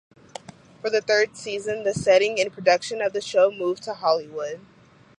For the third season, the setting and production of the show moved to Hollywood.